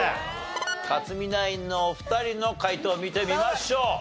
克実ナインのお二人の解答見てみましょう。